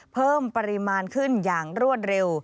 เพิ่มปริมาณขึ้นอย่างรวดเร็ว